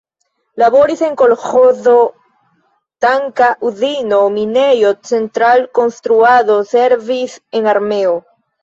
Laboris en kolĥozo, tanka uzino, minejo, central-konstruado, servis en armeo.